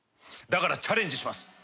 だからチャレンジします。